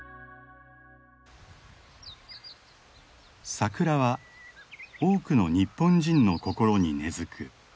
桜は多くの日本人の心に根づく神様の木だ。